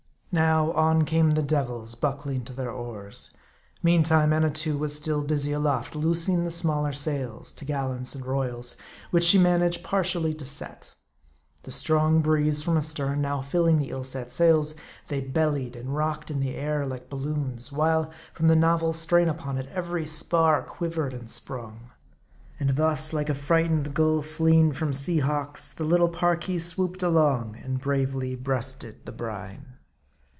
Now on came the devils buckling to their oars. Mean time Annatoo was still busy aloft, loosing the smaller sails t'gallants and royals, which she managed partially to set. The strong breeze from astern now filling the ill set sails, they bellied, and rocked in the air, like balloons, while, from the novel strain upon it, every spar quivered and sprung. And thus, like a frightened gull fleeing from sea hawks, the little Parki swooped along, and bravely breasted the brine.